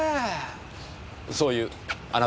そういうあなた方は？